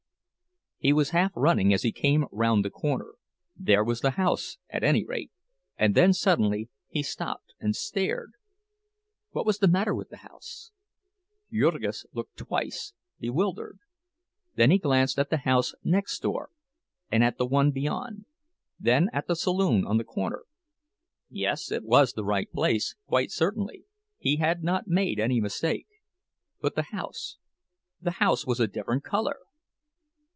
He was half running as he came round the corner. There was the house, at any rate—and then suddenly he stopped and stared. What was the matter with the house? Jurgis looked twice, bewildered; then he glanced at the house next door and at the one beyond—then at the saloon on the corner. Yes, it was the right place, quite certainly—he had not made any mistake. But the house—the house was a different color!